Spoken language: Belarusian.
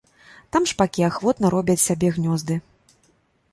Там шпакі ахвотна робяць сабе гнёзды.